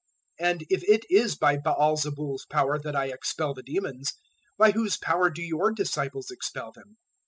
012:027 And if it is by Baal zebul's power that I expel the demons, by whose power do your disciples expel them?